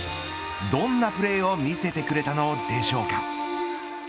どんなプレーを見せてくれたのでしょうか。